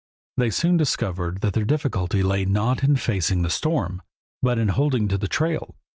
They soon discovered that their difficulty lay not in facing the storm, but in holding to the trail.